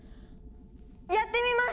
やってみます！